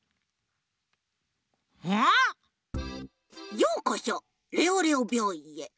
ようこそレオレオびょういんへ。